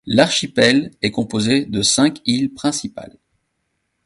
L'archipel est composé de cinq îles principales.